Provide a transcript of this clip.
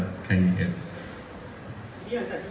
ที่มีการชุมหนุ่มในวันนี้แล้วเนี้ยครับอ่ามีการเข้าไปใกล้เกณฑ์ราชภาพไหมครับ